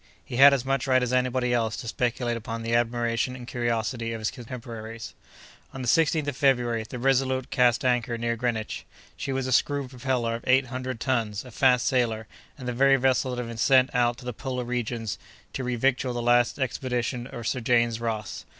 He had as much right as anybody else to speculate upon the admiration and curiosity of his contemporaries. On the 16th of February, the Resolute cast anchor near Greenwich. She was a screw propeller of eight hundred tons, a fast sailer, and the very vessel that had been sent out to the polar regions, to revictual the last expedition of Sir James Ross.